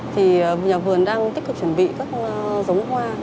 thì nhà vườn đang tích cực chuẩn bị các giống hoa